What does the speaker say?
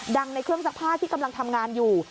ในเครื่องซักผ้าที่กำลังทำงานอยู่